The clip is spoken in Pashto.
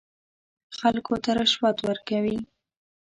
خلکو ته رشوت ورکوي.